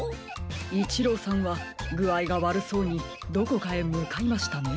イチローさんはぐあいがわるそうにどこかへむかいましたね。